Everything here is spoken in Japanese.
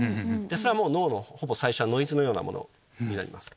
それはもう脳のほぼ最初はノイズのようなものになります。